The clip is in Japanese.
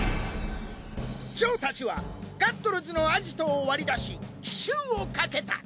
ジョー達はガットルズのアジトを割り出し奇襲をかけた。